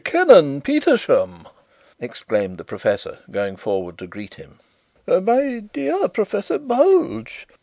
"Canon Petersham!" exclaimed the professor, going forward to greet him. "My dear Professor Bulge!"